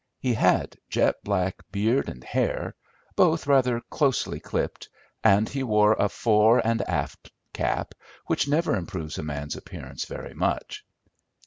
He had jet black beard and hair, both rather closely clipped; and he wore a fore and aft cap, which never improves a man's appearance very much.